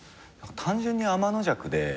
単純にあまのじゃくで。